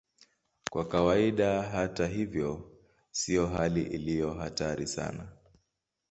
Kwa kawaida, hata hivyo, sio hali iliyo hatari sana.